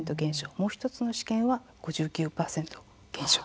もう１つの試験は５９％減少。